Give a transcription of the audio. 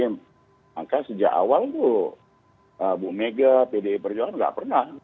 maka sejak awal bu megawati pdi perjuangan tidak pernah